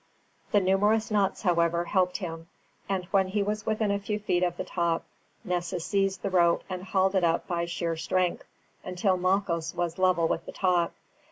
The numerous knots, however, helped him, and when he was within a few feet of the top, Nessus seized the rope and hauled it up by sheer strength until Malchus was level with the top.